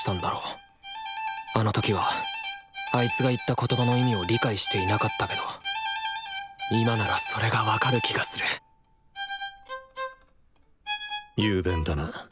あの時はあいつが言った言葉の意味を理解していなかったけど今ならそれが分かる気がする雄弁だな。